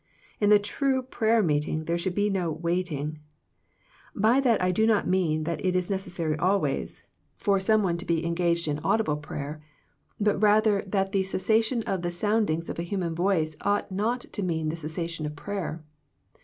In the true prayer meeting there should be no " waiting." By that I do not mean that it is necessary always for some one to be en 116 THE PEACTICE OF PEAYER gaging in audible prayer, but rather that the ces sation of the sounding of a human voice ought not to mean the cessation of prayer.